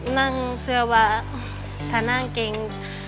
นั่งเสื้อวะถ้านั่งเก่ง